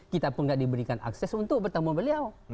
kita pun tidak diberikan akses untuk bertemu beliau